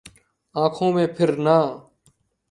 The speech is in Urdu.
آنکھوں میں پھرنا